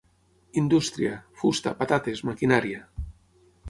Indústria: fusta, patates, maquinària.